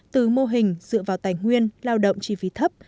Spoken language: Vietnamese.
từ mô hình dựa vào tài nguyên lao động chi phí thấp